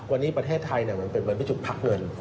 วันนี้ประเทศไทยเนี้ยมันเป็นเวลาที่จะพักเงิน